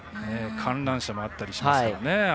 観覧車もあったりしますから。